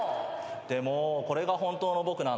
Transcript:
でもこれが本当の僕なんで。